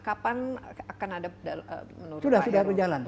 kapan akan ada menurut pak heru perubahan dalam